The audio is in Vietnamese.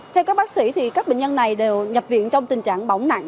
theo các bác sĩ các bệnh nhân này đều nhập viện trong tình trạng bỏng nặng